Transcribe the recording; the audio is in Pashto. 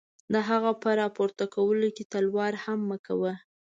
د هغه په را پورته کولو کې تلوار هم مه کوه.